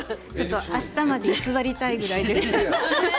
明日まで居座りたいぐらいです。